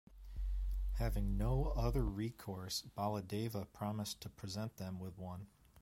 Having no other recourse, Baladeva promised to present them with one.